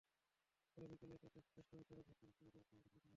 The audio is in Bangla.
ফলে বিকেলে তাঁকে জ্যেষ্ঠ বিচারিক হাকিম শহীদুল ইসলামের কাছে পাঠানো হয়।